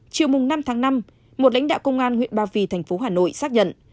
chiều năm tháng năm một lãnh đạo công an huyện ba vì thành phố hà nội xác nhận